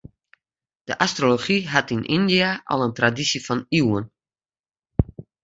De astrology hat yn Yndia al in tradysje fan iuwen.